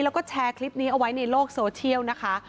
แล้วก็แชร์คลิปนี้เอาไว้ในโลกโซเชียลนะคะ